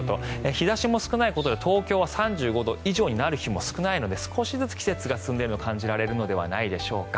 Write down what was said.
日差しも少ないことで東京は３５度以上になる日も少ないので少しずつ季節が進んでいると感じるのではないでしょうか。